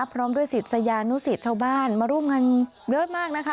พร้อมด้วยศิษยานุสิตชาวบ้านมาร่วมงานเยอะมากนะคะ